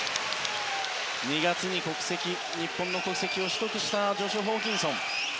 ２月に日本国籍を取得したジョシュ・ホーキンソン。